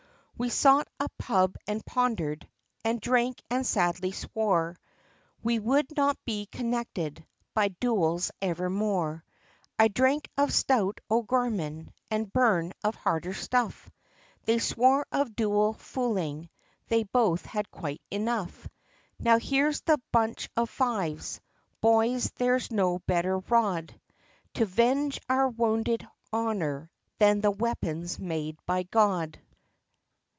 We sought a Pub, and pondered, and drank, and sadly swore, We would not be connected, with duels evermore, I drank of stout, O'Gorman, and Byrne, of harder stuff, They swore of duel fooling, they both had quite enough, Now, here's the bunch of fives, boys, there is no better rod To 'venge our wounded honour, than the weapons made by God!